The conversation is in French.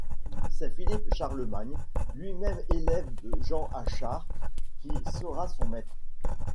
C'est Philippe Charlemagne, lui-même élève de Jean Achard qui sera son maître.